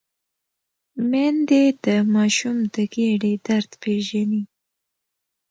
میندې د ماشوم د ګیډې درد پېژني۔